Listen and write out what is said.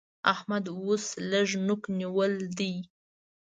احمد اوس لږ نوک نيول دی